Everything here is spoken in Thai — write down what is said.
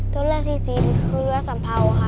ตัวเลือกที่สี่คือเลือกสำเภาค่ะ